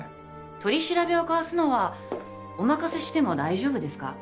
取り調べをかわすのはお任せしても大丈夫ですか？